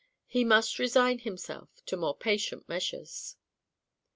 He must resign himself to more patient measures.